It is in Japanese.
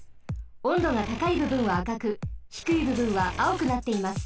温度がたかいぶぶんはあかくひくいぶぶんはあおくなっています。